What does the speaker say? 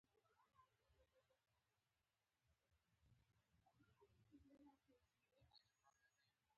شمله هغلته شمله وی، چی په نر باندی وی لکه